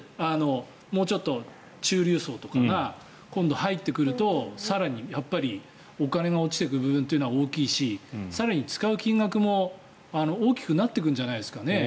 もうちょっと中流層とかが今度入ってくると更にお金が落ちていく部分は大きいし更に使う金額も大きくなってくるんじゃないですかね。